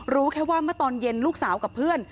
รู้แค่ว่าเมื่อตอนเย็นลูกสาวกับเพื่อน